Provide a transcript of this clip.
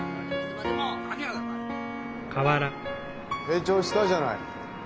成長したじゃない。